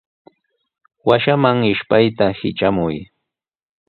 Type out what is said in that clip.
Washaman ishpayta hitramuy.